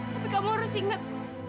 tapi kamu harus ingat